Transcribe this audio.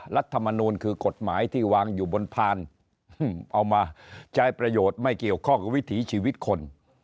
รัฐมนูลคือกฎหมายที่วางอยู่บนพานเอามาใช้ประโยชน์ไม่เกี่ยวข้องกับวิถีชีวิตคน